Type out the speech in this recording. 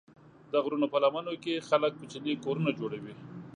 د غرونو په لمنو کې خلک کوچني کورونه جوړوي.